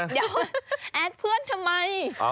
เดี๋ยวแอดเพื่อนทำไม